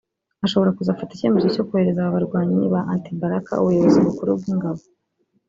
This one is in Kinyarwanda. ashobora kuzafata icyemezo cyo koherereza aba barwanyi ba Antibalaka ubuyobozi bukuru bw’ingabo